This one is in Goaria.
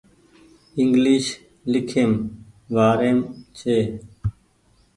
انگليش ليکيم وآريم ڇي